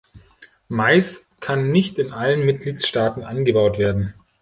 Mais kann nicht in allen Mitgliedstaaten angebaut werden.